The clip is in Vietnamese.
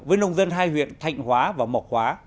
với nông dân hai huyện thạnh hóa và mộc hóa